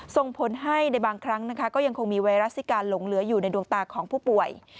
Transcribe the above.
ส่งผลให้ในบางครั้งนะคะก็ยังคงมีไวรัสซิการหลงเหลืออยู่ในดวงตาของผู้ป่วย